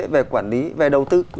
về quản lý về đầu tư